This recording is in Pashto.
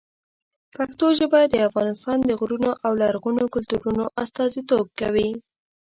پښتو ژبه د افغانستان د غرونو او لرغونو کلتورونو استازیتوب کوي.